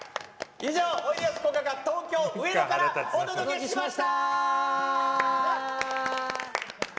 以上おいでやすこがが東京国立博物館からお届けしました！